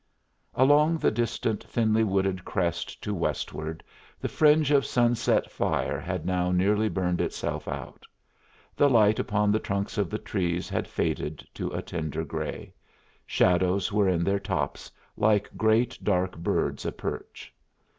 Along the distant, thinly wooded crest to westward the fringe of sunset fire had now nearly burned itself out. The light upon the trunks of the trees had faded to a tender gray; shadows were in their tops, like great dark birds aperch.